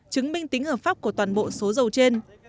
chứng minh tính hợp pháp của toàn bộ số dầu trên